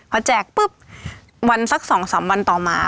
พอแจกปุ๊บวันสักสองสามวันต่อมาค่ะ